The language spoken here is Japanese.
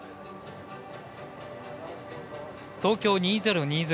東京２０２０